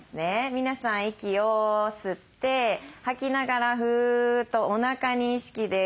皆さん息を吸って吐きながらフーッとおなかに意識です。